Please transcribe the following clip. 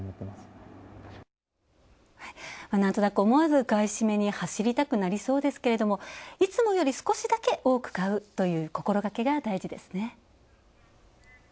思わず買占めに走りたくなりますけれどいつもより少しだけ多く買うという心がけが大事ですね。